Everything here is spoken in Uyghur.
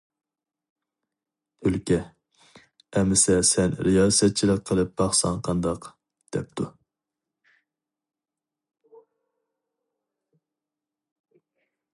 تۈلكە: «ئەمىسە سەن رىياسەتچىلىك قىلىپ باقساڭ قانداق؟ » دەپتۇ.